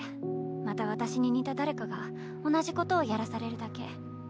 また私に似た誰かが同じことをやらされるだけ。